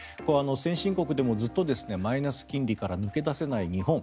先進国でもずっとマイナス金利から抜け出せない日本。